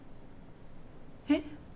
えっ？